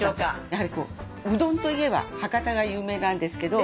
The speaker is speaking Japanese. やはりうどんといえば博多が有名なんですけど